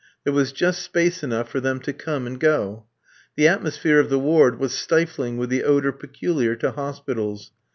There was just space enough for them to come and go. The atmosphere of the ward was stifling with the odour peculiar to hospitals.